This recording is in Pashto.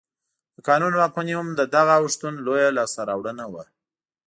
د قانون واکمني هم د دغه اوښتون لویه لاسته راوړنه وه.